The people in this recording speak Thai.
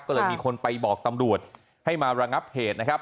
ก็เลยมีคนไปบอกตำรวจให้มาระงับเหตุนะครับ